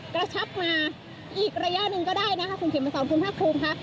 กระชับมาอีกระยะหนึ่งก็ได้นะคะคุณเขียนมาสอนคุณภาคภูมิค่ะ